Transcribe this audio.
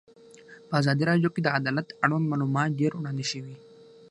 په ازادي راډیو کې د عدالت اړوند معلومات ډېر وړاندې شوي.